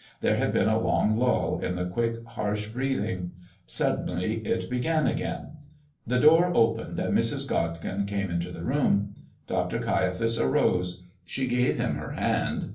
There had been a long lull in the quick, harsh breathing; suddenly it began again. The door opened and Mrs. Godkin came into the room. Dr. Caiaphas arose; she gave him her hand.